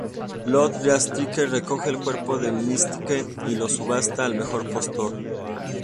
Lod Deathstrike recoge el cuerpo de Mystique y lo subasta al mejor postor.